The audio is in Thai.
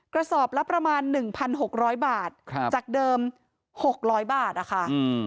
กระสอบละประมาณ๑๖๐๐บาทจากเดิม๖๐๐บาทนะคะ